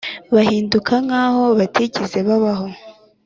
bahinduka nk’aho batigeze babaho,